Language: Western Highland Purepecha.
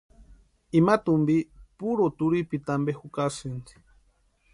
Ima tumpi puru turhipiti ampe jukasïnti.